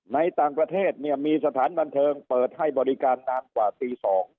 ในต่างประเทศเนี่ยมีสถานบันเทิงเปิดให้บริการนานกว่าตี๒